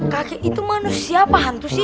kaki itu manusia apa hantu sih